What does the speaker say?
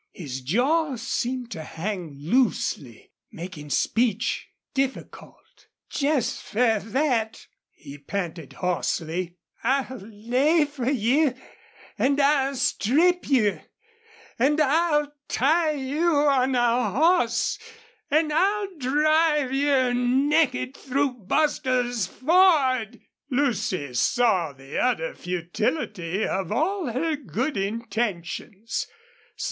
His jaw seemed to hang loosely, making speech difficult. "Jest fer thet " he panted, hoarsely, "I'll lay fer you an' I'll strip you an' I'll tie you on a hoss an' I'll drive you naked through Bostil's Ford!" Lucy saw the utter futility of all her good intentions.